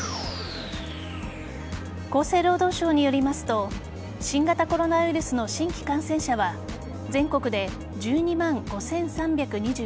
厚生労働省によりますと新型コロナウイルスの新規感染者は全国で１２万５３２７人